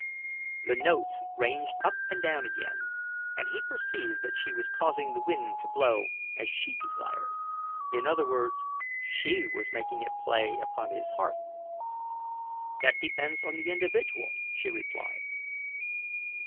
The notes ranged up and down again, and he perceived that she was causing the wind to blow as she desired in other words, she was making it play upon his harp. "That depends on the individual," she replied.